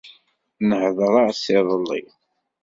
Nehder-as iḍelli.